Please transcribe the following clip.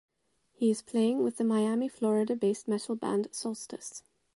He is playing with the Miami, Florida based metal band Solstice.